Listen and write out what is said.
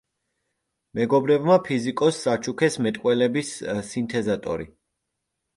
მეგობრებმა ფიზიკოსს აჩუქეს მეტყველების სინთეზატორი.